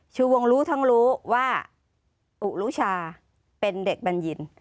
ชูวงรู้ทั้งรู้ว่าอุรุชาเป็นเด็กบัญญิน